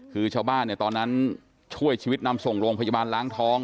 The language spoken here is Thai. คือชาวบ้านเนี่ยตอนนั้นช่วยชีวิตนำส่งโรงพยาบาลล้างท้อง